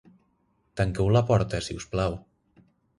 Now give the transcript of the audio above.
Tanqueu la porta si us plau